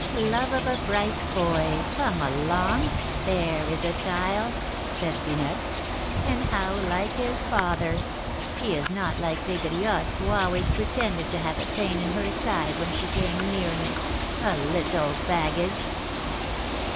"Love of a bright boy, come along! There is a child!" said Finette. "And how like his father! He is not like Pegriotte, who always pretended to have a pain in her side when she came near me, a little baggage!"